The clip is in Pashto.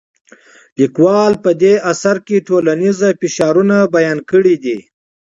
لیکوال په دې اثر کې ټولنیز فشارونه بیان کړي دي.